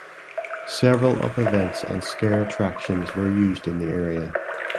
Several of events and scare attractions were used in the area.